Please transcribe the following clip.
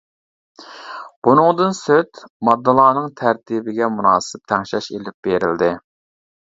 بۇنىڭدىن سىرت، ماددىلارنىڭ تەرتىپىگە مۇناسىپ تەڭشەش ئېلىپ بېرىلدى.